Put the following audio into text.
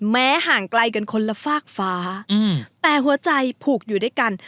ห่างไกลกันคนละฝากฟ้าแต่หัวใจผูกอยู่ด้วยกัน